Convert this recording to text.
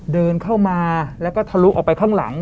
เดินเข้ามาแล้วก็ทะลุออกไปข้างหลัง